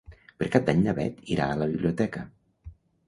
Per Cap d'Any na Bet irà a la biblioteca.